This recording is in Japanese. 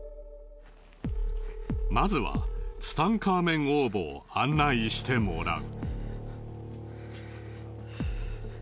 まずはツタンカーメン王墓を案内してもらう。